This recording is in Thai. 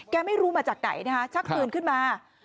ไม่รู้มาจากไหนนะคะชักปืนขึ้นมา